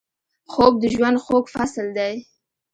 خوب د ژوند خوږ فصل دی